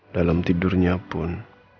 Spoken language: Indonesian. dalam tidurnya pun